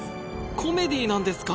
コメディーなんですか？